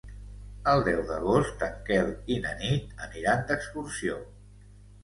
El deu d'agost en Quel i na Nit aniran d'excursió.